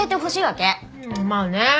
まあね。